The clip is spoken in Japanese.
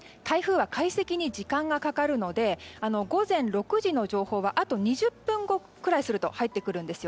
台風は解析に時間がかかるので午前６時の情報があと２０分ぐらいすると入ってきます。